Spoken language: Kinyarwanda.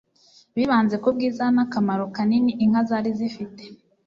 bibanze ku bwiza n'akamaro kanini inka zari zifite